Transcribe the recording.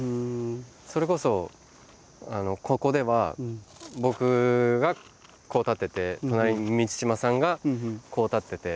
それこそここでは僕がこう立ってて隣に満島さんがこう立ってて。